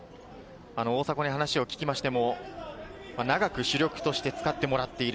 大迫に話を聞きましても、長く主力として使ってもらっている。